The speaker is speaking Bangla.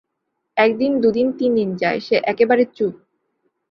একদিন দুদিন তিনদিন যায়, সে একেবারে চুপ।